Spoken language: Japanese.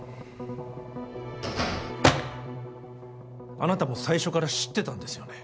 あなたも最初から知ってたんですよね